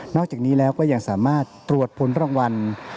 อกจากนี้แล้วก็ยังสามารถตรวจผลรางวัล